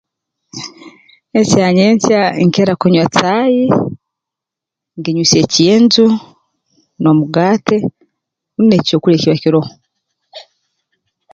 Ekya nyenkya nkira kunywa caayi nginywisa ekyenju n'omugaate rundi n'ekyokulya ekiba kiroho